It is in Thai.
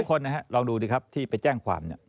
คนนะฮะลองดูดิครับที่ไปแจ้งความเนี่ย